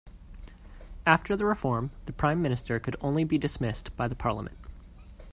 After the reform, the prime minister could only be dismissed by the parliament.